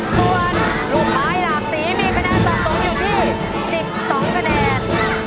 ส่วนลูกไม้หลากสีมีคะแนนสะสมอยู่ที่๑๒คะแนน